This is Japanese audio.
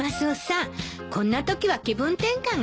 こんなときは気分転換が必要よね。